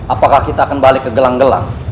apakah kita akan balik ke gelang gelang